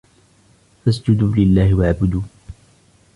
فاسجدوا لله واعبدوا